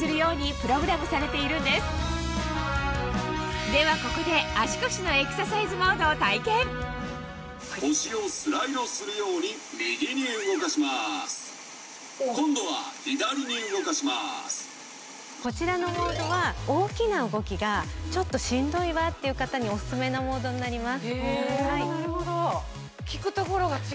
プログラムされているんですではここでこちらのモードは大きな動きがちょっとしんどいわっていう方にオススメのモードになります。